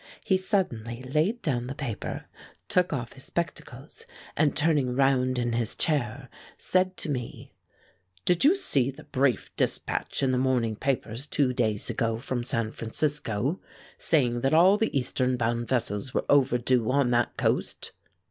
He suddenly laid down the paper, took off his spectacles, and, turning round in his chair, said to me: "Did you see the brief dispatch in the morning papers two days ago from San Francisco, saying that all the eastern bound vessels were overdue on that coast?"